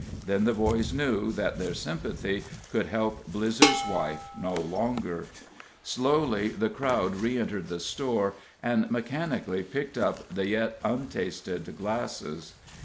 Then the boys knew that their sympathy could help Blizzer's wife no longer. Slowly the crowd re entered the store, and mechanically picked up the yet untasted glasses.